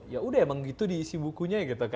ya sudah memang begitu diisi bukunya